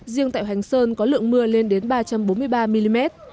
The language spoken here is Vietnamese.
riêng tại hành sơn có lượng mưa lên đến ba trăm bốn mươi ba mm